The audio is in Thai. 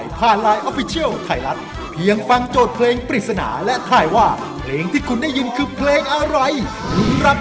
ยินดีมากค่ะป๊า